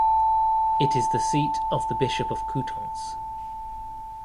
It is the seat of the Bishop of Coutances.